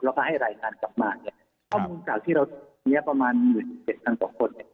แล้วถ้าให้รายการกลับมาต้องการที่เราเนี่ยประมาณ๑๗๐๐๐ที่เนี่ยพบคน